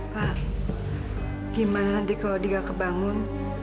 pak gimana nanti kalau dia kebangun